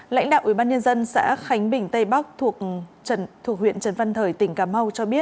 lãnh đạo ủy ban nhân dân xã khánh bình tây bắc thuộc huyện trần văn thời tỉnh cà mau cho biết